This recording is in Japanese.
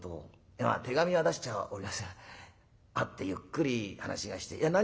まあ手紙は出しちゃおりますが会ってゆっくり話がしてえ。